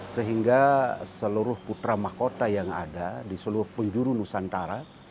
sehingga seluruh putra mahkota yang ada di seluruh penjuru nusantara